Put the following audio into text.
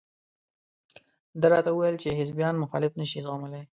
ده راته وویل چې حزبیان مخالفت نشي زغملى.